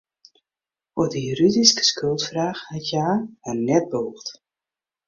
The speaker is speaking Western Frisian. Oer de juridyske skuldfraach hat hja har net bûgd.